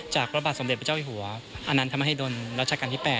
จากระบาดสมเด็จพระเจ้าหัวอธรรมฮิดลรจ๘